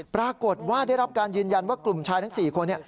ปรากฏว่าได้รับการยืนยันว่ากลุ่มชายทั้ง๔คน